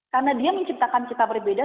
karena dia menciptakan kita berbeda